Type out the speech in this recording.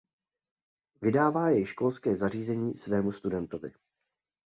Vydává jej školské zařízení svému studentovi.